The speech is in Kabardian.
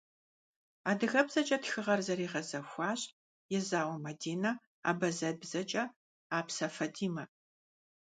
АдыгэбзэкӀэ тхыгъэр зэригъэзэхуащ Езауэ Мадинэ, абазэбэкӀэ - Апсэ ФатӀимэ.